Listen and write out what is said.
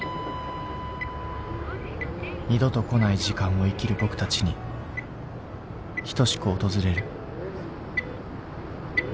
二度とこない時間を生きる僕たちに等しく訪れる。